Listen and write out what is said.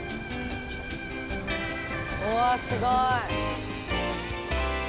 うわすごい！